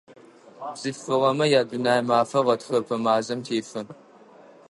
Бзылъфыгъэмэ я Дунэе мафэ гъэтхэпэ мазэм тефэ.